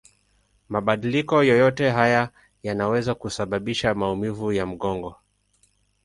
Mabadiliko yoyote haya yanaweza kusababisha maumivu ya mgongo.